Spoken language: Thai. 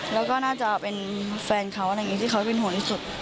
แล้วก็น่าจะเป็นแฟนเขาอะไรอย่างนี้ที่เขาเป็นห่วงที่สุด